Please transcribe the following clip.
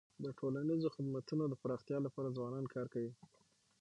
د ټولنیزو خدمتونو د پراختیا لپاره ځوانان کار کوي.